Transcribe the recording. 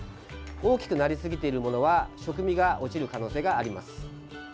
大きくなりすぎているものは食味が落ちる可能性があります。